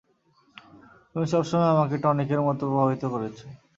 তুমি সবসময় আমাকে টনিকের মতো প্রভাবিত করেছ।